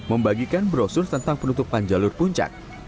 membagikan brosur tentang penutupan jalur puncak